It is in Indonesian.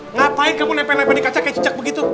ngapain kamu nempel nempel di kaca kayak cicak begitu